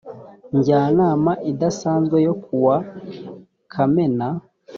njyanama idasanzwe yo ku wa kamena